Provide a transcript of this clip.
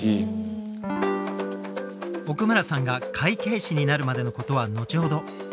奥村さんが会計士になるまでのことは後ほど。